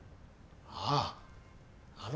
ああ。